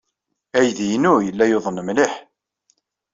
Aydi-inu yella yuḍen mliḥ.